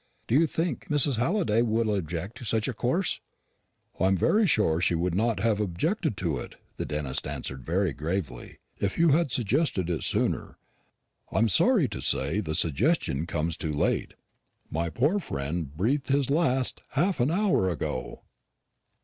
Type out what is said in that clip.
Do you think Mrs. Halliday will object to such a course?" "I am sure she would not have objected to it," the dentist answered very gravely, "if you had suggested it sooner. I am sorry to say the suggestion comes too late. My poor friend breathed his last half an hour ago."